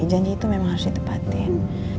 janji itu memang harus ditepatin